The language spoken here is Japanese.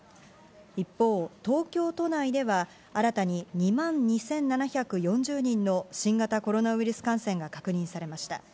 一方、東京都内では、新たに２万２７４０人の新型コロナウイルス感染が確認されました。